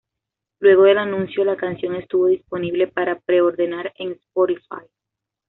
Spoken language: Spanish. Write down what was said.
Luego del anuncio, la canción estuvo disponible para pre-ordenar en Spotify.